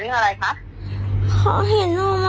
จัดลงรับโทรศัพท์อะคะ